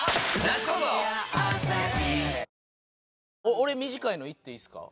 俺短いのいっていいですか？